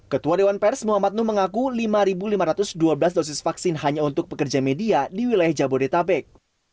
ketua dewan pers muhammad nuh mengaku lima lima ratus dua belas dosis vaksin hanya untuk pekerja media di wilayah jabodetabek